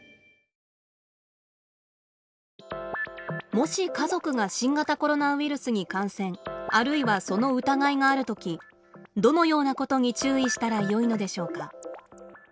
もし家族が新型コロナウイルスに感染あるいはその疑いがある時どのようなことに注意したらよいのでしょうか。